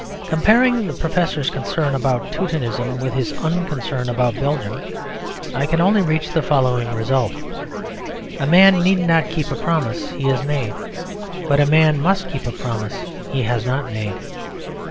Comparing the Professor's concern about "Teutonism" with his unconcern about Belgium, I can only reach the following result: "A man need not keep a promise he has made. But a man must keep a promise he has not made."